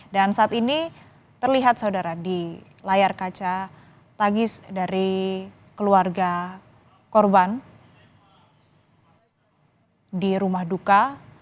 dan saat ini terlihat saudara di layar kaca tangis dari keluarga korban di rumah duka